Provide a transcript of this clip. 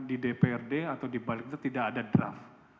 di dprd atau di balik itu tidak ada draft